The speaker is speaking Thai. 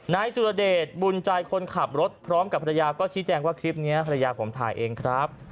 นายสุรเดชบุญใจคนขับรถพร้อมกับภรรยาก็ชี้แจงว่าคลิปนี้ภรรยาผมถ่ายเองครับ